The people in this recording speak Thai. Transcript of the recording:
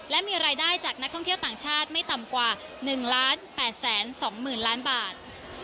และมีรายได้จากนักท่องเที่ยวต่างชาติไม่ต่ำกว่า๑๘๒๐๐๐ล้านบาท